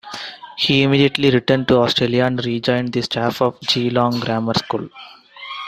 He immediately returned to Australia and rejoined the staff of Geelong Grammar School.